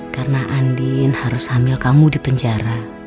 karena andin harus hamil kamu di penjara